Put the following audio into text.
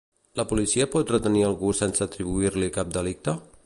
La policia pot retenir algú sense atribuir-li cap delicte?